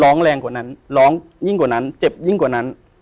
แรงกว่านั้นร้องยิ่งกว่านั้นเจ็บยิ่งกว่านั้น